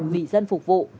vì dân phục vụ